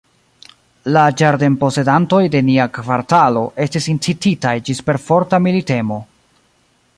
La ĝardenposedantoj de nia kvartalo estis incititaj ĝis perforta militemo.